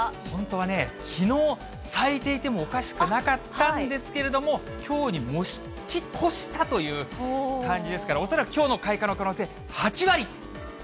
本当はね、きのう咲いていてもおかしくなかったんですけれども、きょうに持ち越したという感じですから、恐らくきょうの開花の可能性８割。